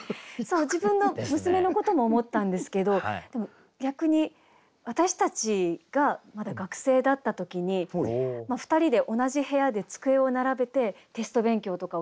自分の娘のことも思ったんですけど逆に私たちがまだ学生だった時に２人で同じ部屋で机を並べてテスト勉強とかをしてたんですけど。